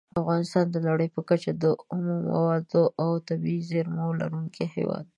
افغانستان د نړۍ په کچه د اومو موادو او طبیعي زېرمو لرونکی هیواد دی.